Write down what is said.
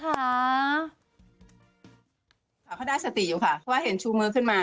เขาได้สติอยู่ค่ะเพราะว่าเห็นชูมือขึ้นมา